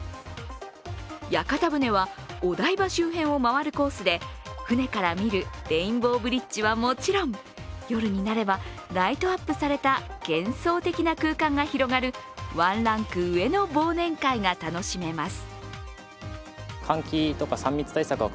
屋形船はお台場周辺を回るコースで船から見るレインボーブリッジはもちろん、夜になればライトアップされた幻想的な空間が広がるワンランク上の忘年会が楽しめます。